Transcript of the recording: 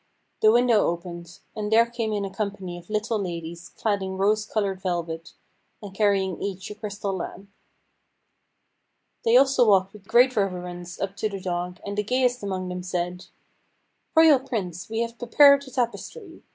The window opened, and there came in a company of little ladies clad in rose coloured velvet, and carrying each a crystal lamp. They also walked with great reverence up to the dog, and the gayest among them said: "Royal Prince, we have prepared the tapestry.